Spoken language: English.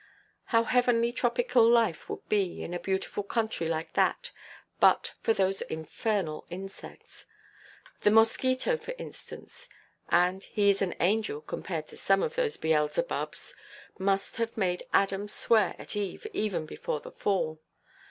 How heavenly tropical life would be, in a beautiful country like that, but for those infernal insects! The mosquito, for instance,—and he is an angel, compared to some of those Beelzebubs,—must have made Adam swear at Eve, even before the fall.